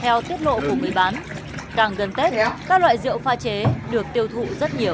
theo tiết lộ của người bán càng gần tết các loại rượu pha chế được tiêu thụ rất nhiều